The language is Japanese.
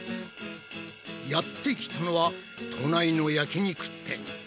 やってきたのは都内の焼き肉店。